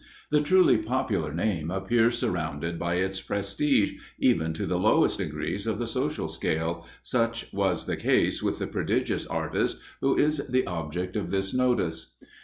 The truly popular name appears surrounded by its prestige, even to the lowest degrees of the social scale; such was the case with the prodigious artist who is the object of this notice.